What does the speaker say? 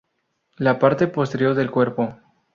La parte posterior del cuerpo.